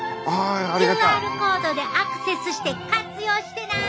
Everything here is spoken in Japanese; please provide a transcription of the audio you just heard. ＱＲコードでアクセスして活用してな！